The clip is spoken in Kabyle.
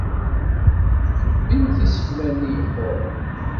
Tebbimt isekla-nni yeqquren.